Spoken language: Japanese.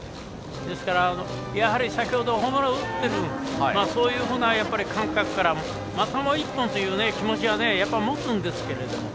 ですから先ほどホームランを打っているそういうふうな感覚からまたもう１本という感覚を持つんですけども。